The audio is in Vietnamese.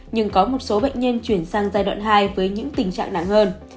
nhưng có một số bệnh nhân chuyển sang giai đoạn hai với những tình trạng nặng hơn